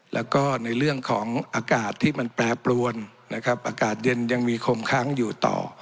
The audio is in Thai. แล้วก็ในเรื่องของอากาศที่มันแปรปรวนนะครับอากาศเย็นยังมีคมค้างอยู่ต่อ